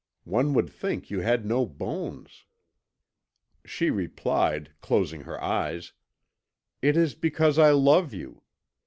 One would think you had no bones." She replied, closing her eyes: "It is because I love you.